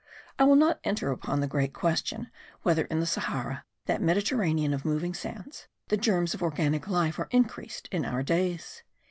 I will not enter upon the great question, whether in the Sahara, that Mediterranean of moving sands, the germs of organic life are increased in our days.